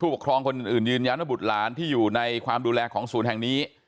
ปกครองคนอื่นยืนยันว่าบุตรหลานที่อยู่ในความดูแลของศูนย์แห่งนี้